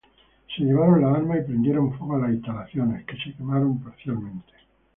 Se llevaron las armas y prendieron fuego a las instalaciones, que se quemaron parcialmente.